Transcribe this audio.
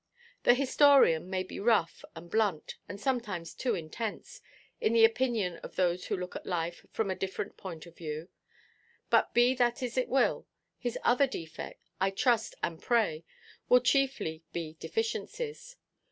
The historian may be rough, and blunt, and sometimes too intense, in the opinion of those who look at life from a different point of view. But be that as it will, his other defects (I trust and pray) will chiefly be deficiencies.